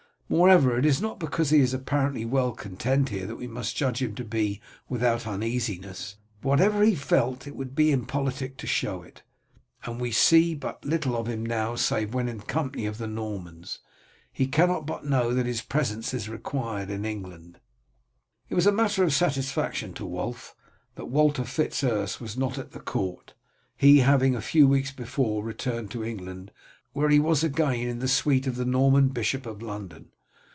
Moreover, it is not because he is apparently well content here that we must judge him to be without uneasiness. Whatever he felt it would be impolitic to show it, and we see but little of him now save when in company of the Normans. He cannot but know that his presence is required in England." It was a matter of satisfaction to Wulf that Walter Fitz Urse was not at the court, he having a few weeks before returned to England, where he was again in the suite of the Norman bishop of London.